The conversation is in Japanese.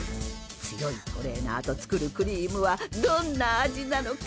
強いトレーナーと作るクリームはどんな味なのか？